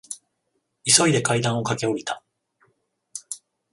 急いで階段を駆け下りた。